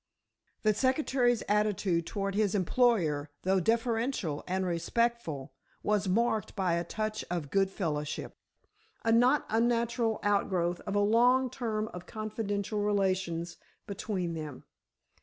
'" The secretary's attitude toward his employer, though deferential and respectful, was marked by a touch of good fellowship—a not unnatural outgrowth of a long term of confidential relations between them.